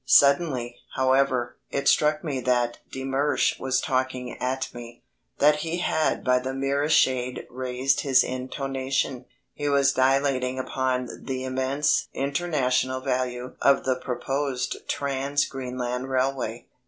Suddenly, however, it struck me that de Mersch was talking at me; that he had by the merest shade raised his intonation. He was dilating upon the immense international value of the proposed Trans Greenland Railway.